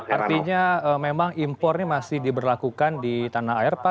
artinya memang impor ini masih diberlakukan di tanah air pak